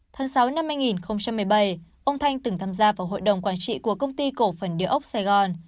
tháng sáu năm hai nghìn một mươi bảy ông thanh từng tham gia vào hội đồng quản trị của công ty cổ phần địa ốc sài gòn